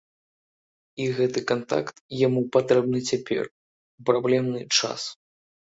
І гэты кантакт яму патрэбны цяпер у праблемны час.